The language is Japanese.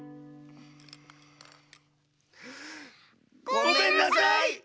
ごめんなさい！